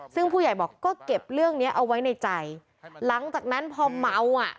ซึ่งผู้ใหญ่บอกก็เก็บเรื่องเนี้ยเอาไว้ในใจหลังจากนั้นพอเมาอ่ะ